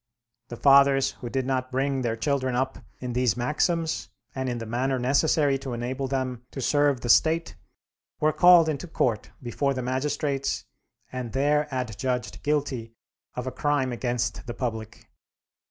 The fathers who did not bring their children up in these maxims, and in the manner necessary to enable them to serve the State, were called into court before the magistrates and there adjudged guilty of a crime against the public.